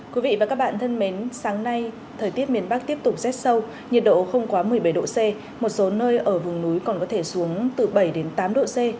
quý vị và các bạn thân mến sáng nay thời tiết miền bắc tiếp tục rét sâu nhiệt độ không quá một mươi bảy độ c một số nơi ở vùng núi còn có thể xuống từ bảy đến tám độ c